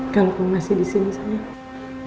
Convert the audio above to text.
kalo gue masih disini sama lo